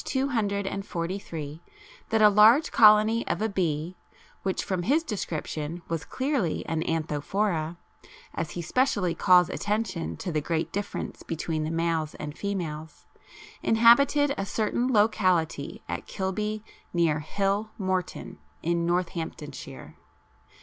243, that a large colony of a bee, which from his description was clearly an Anthophora, as he specially calls attention to the great difference between the males and females, inhabited a certain locality at Kilby near "Hill Morton" in Northamptonshire.